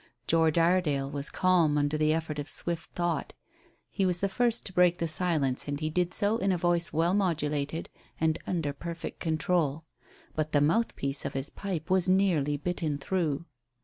George Iredale was calm under the effort of swift thought. He was the first to break the silence, and he did so in a voice well modulated and under perfect control. But the mouthpiece of his pipe was nearly bitten through.